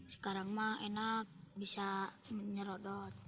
sekarang emang enak bisa menyerot dot